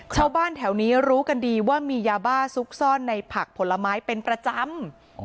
ชาวบ้านแถวนี้รู้กันดีว่ามียาบ้าซุกซ่อนในผักผลไม้เป็นประจำ